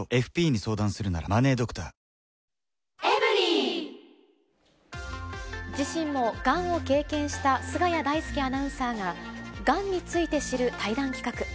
東京海上日動自身もがんを経験した菅谷大介アナウンサーが、がんについて知る対談企画。